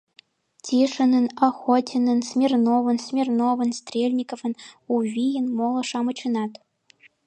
Тишинын, Охотинын, Смирновын, Смирновын, Стрельниковын, У вийын, моло-шамычынат.